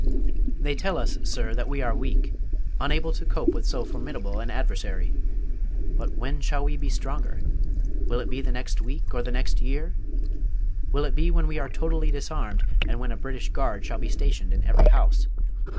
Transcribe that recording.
They tell us, sir, that we are weak "unable to cope with so formidable an adversary"! But when shall we be stronger? Will it be the next week, or the next year? Will it be when we are totally disarmed, and when a British guard shall be stationed in every house?